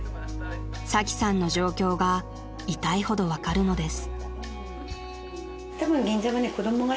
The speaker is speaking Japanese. ［サキさんの状況が痛いほど分かるのです］